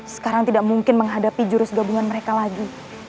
sekarang tidak mungkin menghadapi jurus gabungan mereka lagi